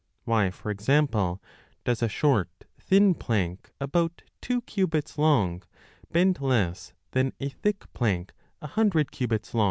Why, for example, does a short thin plank about two cubits long bend less than a thick plank a hundred cubits long